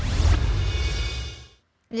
ya terima kasih